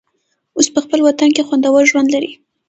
اوس په خپل وطن کې خوندور ژوند لري.